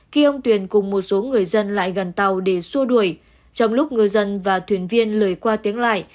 khi ông tuyền cùng một số người dân lại gần tàu để xua đuổi trong lúc ngư dân và thuyền viên lời qua tiếng lại